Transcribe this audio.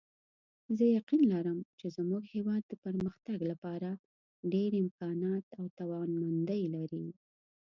زه یقین لرم چې زموږ هیواد د پرمختګ لپاره ډېر امکانات او توانمندۍ لري